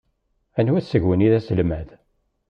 Anwa seg-wen i d aselmad.